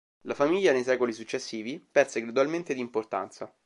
La famiglia nei secoli successivi perse gradualmente di importanza.